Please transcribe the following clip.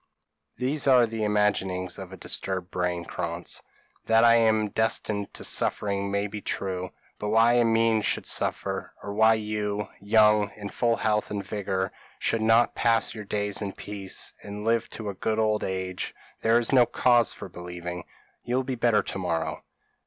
p> "These are the imaginings of a disturbed brain, Krantz; that I am destined to suffering may be true; but why Amine should suffer, or why you, young, in full health and vigour should not pass your days in peace, and live to a good old age, there is no cause for believing. You will be better tomorrow."